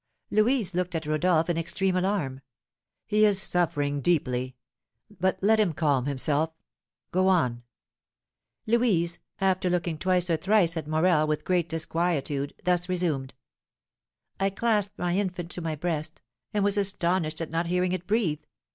Louise looked at Rodolph in extreme alarm. "He is suffering deeply; but let him calm himself. Go on." Louise, after looking twice or thrice at Morel with great disquietude, thus resumed: "I clasped my infant to my breast, and was astonished at not hearing it breathe.